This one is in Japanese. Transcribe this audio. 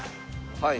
はい。